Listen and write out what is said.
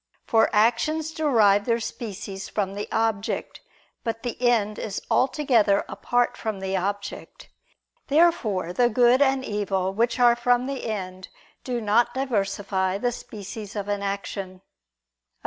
For actions derive their species from the object. But the end is altogether apart from the object. Therefore the good and evil which are from the end do not diversify the species of an action. Obj.